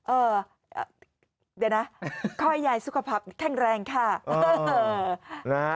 เออเดี๋ยวนะข้อให้ยายสุขภาพแข็งแรงค่ะเออเออนะฮะ